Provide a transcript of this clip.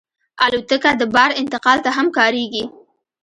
الوتکه د بار انتقال ته هم کارېږي.